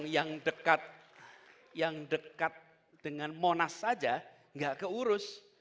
yang dekat dengan monas saja tidak diurus